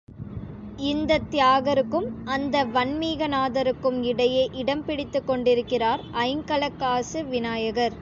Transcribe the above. இந்தத் தியாகருக்கும், அந்த வன்மீகநாதருக்கும் இடையே இடம் பிடித்துக் கொண்டிருக்கிறார் ஐங்கலக் காசு விநாயகர்.